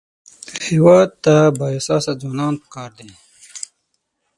هېواد ته بااحساسه ځوانان پکار دي